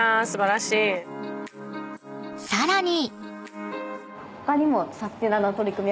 ［さらに］